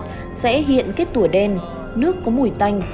nếu pha trà có tannin chất chát sẽ hiện kết tủa đen nước có mùi tanh